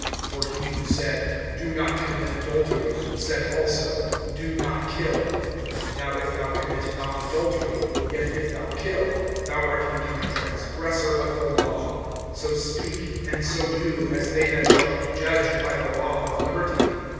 (11)For he who said: Do not commit adultery, said also: Do not kill. Now if thou commit not adultery, yet if thou kill, thou art become a transgressor of the law. (12)So speak, and so do, as they that shall be judged by the law of liberty.